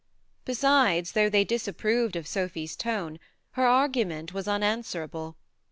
Besides, though they disapproved of Sophy's tone, her argument was un answerable.